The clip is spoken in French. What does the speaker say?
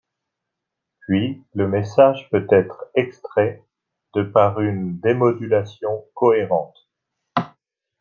Puis le message peut être extrait de par une démodulation cohérente.